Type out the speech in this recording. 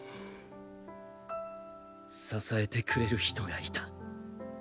支えてくれる人がいた。